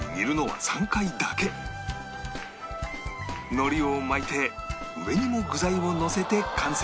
海苔を巻いて上にも具材をのせて完成